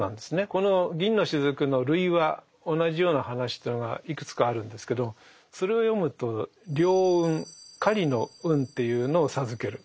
この「銀の滴」の類話同じような話というのがいくつかあるんですけどそれを読むと猟運狩りの運というのを授ける。